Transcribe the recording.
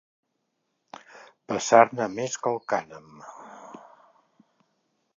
Passar-ne més que el cànem.